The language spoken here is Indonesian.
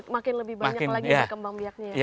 makin lebih banyak lagi ya kembang biaknya ya pak ya